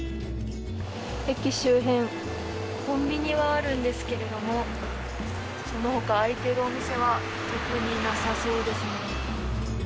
駅周辺コンビニはあるんですけれどもそのほか開いているお店は特になさそうですね。